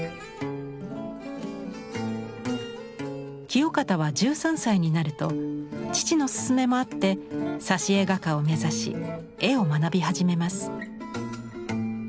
清方は１３歳になると父の勧めもあって挿絵画家を目指し絵を学び始めます。